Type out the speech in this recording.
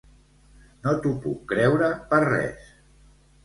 No t'ho puc creure per res.